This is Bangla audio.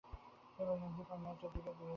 তিনি বললেন, দিপা মেয়েটাকে দিয়ে দিয়েছে।